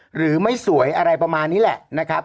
หรือไม่สวยอะไรประมาณนี้แหละนะครับ